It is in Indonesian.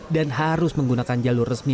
dan harus menggunakan jalur resmi